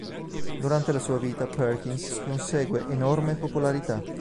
Durante la sua vita Perkins consegue enorme popolarità.